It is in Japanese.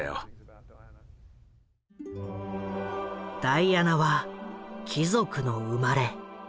ダイアナは貴族の生まれ。